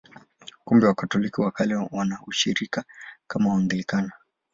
Kumbe Wakatoliki wa Kale wana ushirika na Waanglikana.